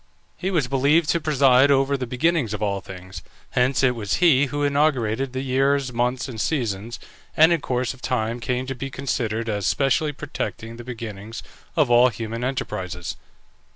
He was believed to preside over the beginnings of all things, hence it was he who inaugurated the years, months, and seasons, and in course of time came to be considered as specially protecting the beginnings of all human enterprises.